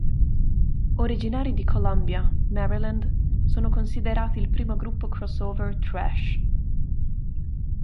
Originari di Columbia, Maryland, sono considerati il primo gruppo crossover thrash.